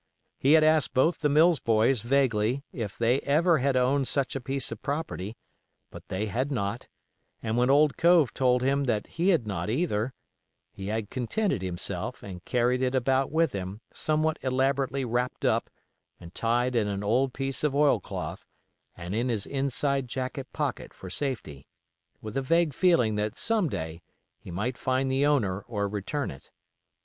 He had asked both of the Mills boys vaguely if they ever had owned such a piece of property, but they had not, and when old Cove told him that he had not either, he had contented himself and carried it about with him somewhat elaborately wrapped up and tied in an old piece of oilcloth and in his inside jacket pocket for safety, with a vague feeling that some day he might find the owner or return it.